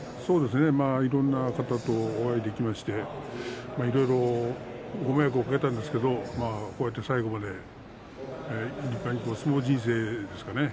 いろんな方とお会いできましていろいろ、ご迷惑をかけたんですけどこうやって最後まで立派に相撲人生ですかね